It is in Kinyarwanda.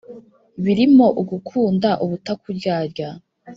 birimo ugukunda ubutakuryarya